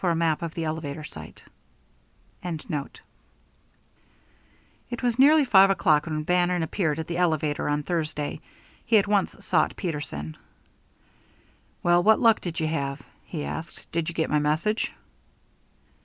CHAPTER V [Illustration: LAYOUT] It was nearly five o'clock when Bannon appeared at the elevator on Thursday. He at once sought Peterson. "Well, what luck did you have?" he asked. "Did you get my message?"